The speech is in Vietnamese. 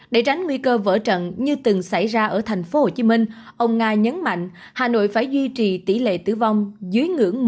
để tránh nguy cơ vỡ trận như từng xảy ra ở thành phố hồ chí minh ông nga nhấn mạnh hà nội phải duy trì tỷ lệ tử vong dưới ngưỡng một một năm